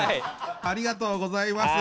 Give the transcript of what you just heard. ありがとうございます。